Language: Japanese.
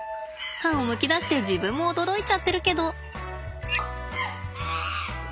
歯をむき出して自分も驚いちゃってるけど！